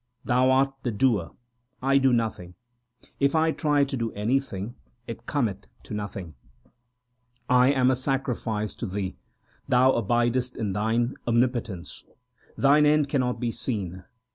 Thou art the Doer, I do nothing ; if I try to do anything, it cometh to nothing. 234 THE SIKH RELIGION I am a sacrifice unto Thee ; Thou abides! in Thine omni potence : Thine end cannot be seen.